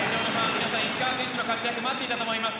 皆さん、石川選手の活躍待っていたと思います。